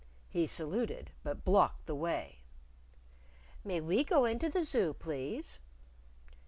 He saluted. But blocked the way. "May we go into the Zoo, please?"